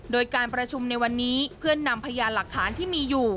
โดยการประชุมในวันนี้เพื่อนำพยานหลักฐานที่มีอยู่